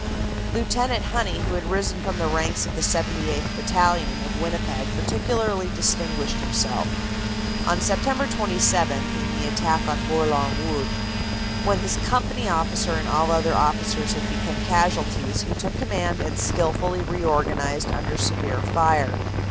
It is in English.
Lieut. Honey, who had risen from the ranks of the 78th. Battalion, of Winnipeg, particularly distinguished himself. On Sept. 27, in the attack on Bourlon Wood, when his company officer and all other officers had become casualties, he took command and skilfully reorganized under severe fire.